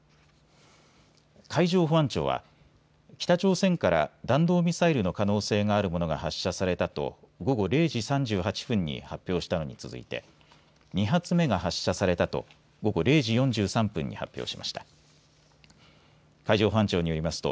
海上保安庁は北朝鮮から弾道ミサイルの可能性があるものが発射されたと午後０時３８分に発表したのに続いて２発目が発射されたと午後０時４３分に発表しました。